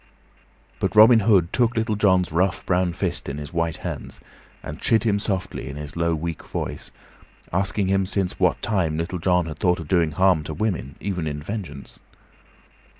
But Robin Hood took Little John's rough, brown fist in his white hands, and chid him softly in his low, weak voice, asking him since what time Little John had thought of doing harm to women, even in vengeance.